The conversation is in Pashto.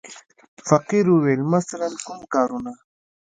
فقیر وویل: مثلاً کوم کارونه.